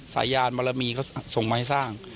สายยานบรมีเขาส่งไม้สร้าง